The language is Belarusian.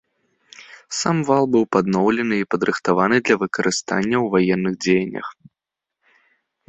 Сам вал быў падноўлены і падрыхтаваны да выкарыстання ў ваенных дзеяннях.